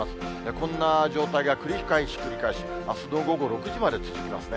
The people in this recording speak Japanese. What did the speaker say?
こんな状態が繰り返し繰り返し、あすの午後６時まで続きますね。